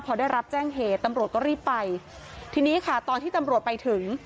พอได้รับแจ้งเหตุตำรวจก็รีบไปทีนี้ค่ะตอนที่ตำรวจไปถึง